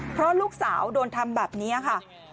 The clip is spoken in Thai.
เพราะลูกสาวโดนทำแบบนี้ค่ะ